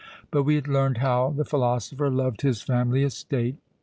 But we had learned how the philosopher loved his family estate.